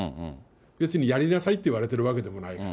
別にやりなさいって言われてるわけでもないから。